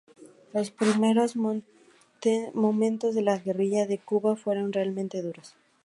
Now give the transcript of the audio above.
Los primeros momentos de la guerrilla en Cuba fueron realmente duros.